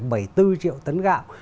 có bốn bảy mươi bốn triệu tấn gạo